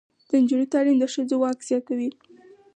د نجونو تعلیم د ښځو واک زیاتوي.